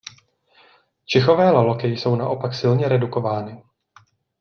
Čichové laloky jsou naopak silně redukovány.